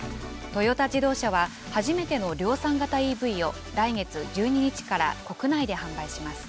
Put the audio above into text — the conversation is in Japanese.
トヨタ自動車は、初めての量産型ＥＶを、来月１２日から国内で販売します。